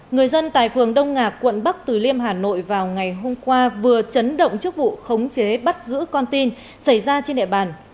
người dân tại phường đông ngạc quận bắc từ liêm hà nội vào ngày hôm qua vừa chấn động trước vụ khống chế bắt giữ con tin xảy ra trên địa bàn